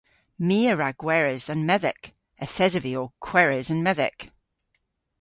My a wra gweres an medhek. Yth esov vy ow kweres an medhek.